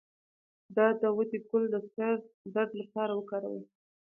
د داودي ګل د سر درد لپاره وکاروئ